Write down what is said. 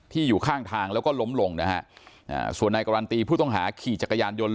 อยู่ข้างทางแล้วก็ล้มลงนะฮะส่วนนายการันตีผู้ต้องหาขี่จักรยานยนต์